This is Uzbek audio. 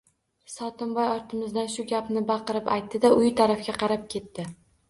Sotimboy ortimizdan shu gapni baqirib aytdi-da, uyi tarafga qarab ketdi.